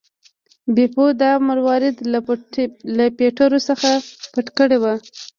بیپو دا مروارید له پیټرو څخه پټ کړی و.